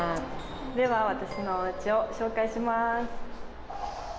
では私のお家を紹介します。